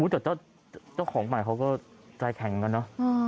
แต่เจ้าของใหม่เขาก็ใจแข็งกันเนอะ